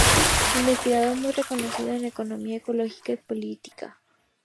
Investigador muy reconocido en economía ecológica y ecología política.